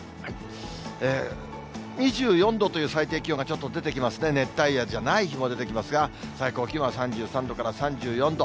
２４度という最低気温がちょっと出てきますね、熱帯夜じゃない日も出てきますが、最高気温は３３度から３４度。